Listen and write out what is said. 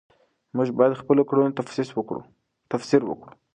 موږ باید د خپلو کړنو تفسیر وکړو.